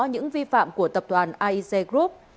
những vi phạm của tập đoàn aec group